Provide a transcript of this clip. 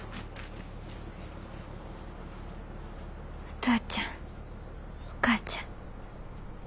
お父ちゃんお母ちゃん。